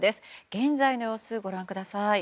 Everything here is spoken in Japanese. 現在の様子ご覧ください。